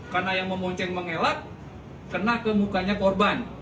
karena yang memonceng mengelak kena ke mukanya korban